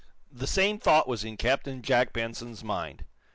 The same thought was in Captain Jack Benson's mind.